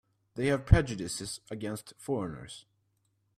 They have prejudices against foreigners.